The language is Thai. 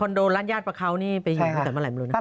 คอนโดร้านญาติประเขานี่ไปหยิงตั้งแต่เมื่อไหร่บริมดร